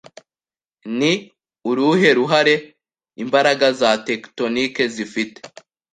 Ni uruhe ruhare imbaraga za tectonic zifite